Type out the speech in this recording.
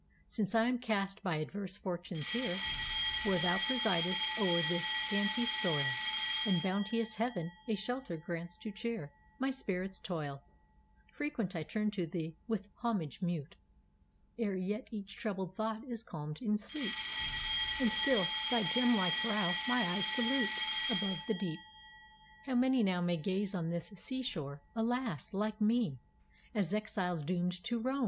Since I am cast by adverse fortunes here, Where thou presidest o'er this scanty soil, And bounteous heaven a shelter grants to cheerMy spirit's toil; Frequent I turn to thee, with homage mute, Ere yet each troubled thought is calmed in sleep, And still thy gem like brow my eyes saluteAbove the deep. How many now may gaze on this sea shore, Alas! like me, as exiles doomed to roam!